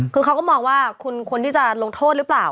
คือเขาก็มองว่าคุณควรที่จะลงโทษหรือเปล่า